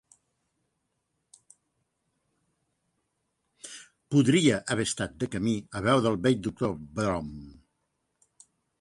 Podria haver estat de camí a veure el vell doctor Brown!